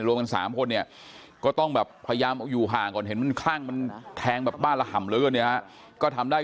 รวมกัน๓คนก็ต้องแบบพยายามอยู่ห่างก่อนเห็นมันคลั่งมาแทงป้าถนำหล่ำเริว